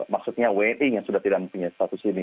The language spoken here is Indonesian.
maksudnya wni yang sudah tidak mempunyai status ini